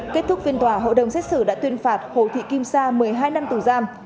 kết thúc phiên tòa hội đồng xét xử đã tuyên phạt hồ thị kim sa một mươi hai năm tù giam